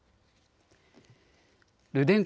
ルデンコ